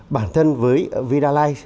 bản thân với vinalize